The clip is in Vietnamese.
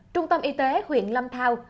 trung tâm y tế huyện lâm thao